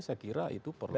saya kira itu perlu